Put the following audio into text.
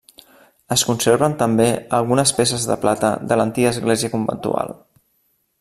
Es conserven també algunes peces de plata de l'antiga església conventual.